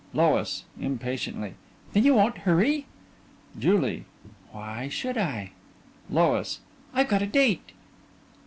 LOIS: (Impatiently) Then you won't hurry? JULIE: Why should I? LOIS: I've got a date.